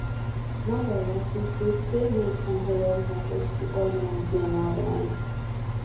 Nonetheless these groups did make some heroic efforts to organize the unorganized.